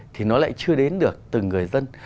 thì nó lại chưa đến được từ người dân